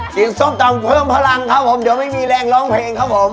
ส้มตำเพิ่มพลังครับผมเดี๋ยวไม่มีแรงร้องเพลงครับผม